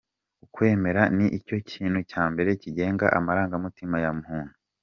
Ukwemera ni cyo kintu cya mbere kigenga amarangamutima ya muntu.